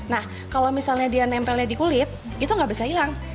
nah kalau misalnya dia nempelnya di kulit itu nggak bisa hilang